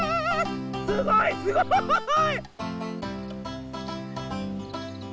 すごいすごい！